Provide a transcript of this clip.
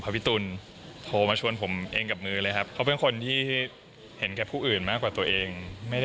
พี่ตูนโทรมาชวนผมเองกับมือเลยครับเขาเป็นคนที่เห็นแก่ผู้อื่นมากกว่าตัวเอง